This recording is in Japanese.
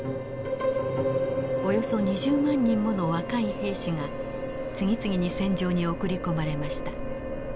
およそ２０万人もの若い兵士が次々に戦場に送り込まれました。